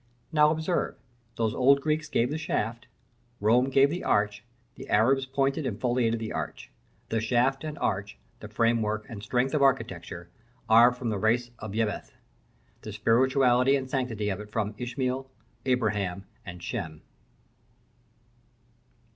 Now observe: those old Greeks gave the shaft; Rome gave the arch; the Arabs pointed and foliated the arch. The shaft and arch, the frame work and strength of architecture, are from the race of Japheth: the spirituality and sanctity of it from Ismael, Abraham, and Shem.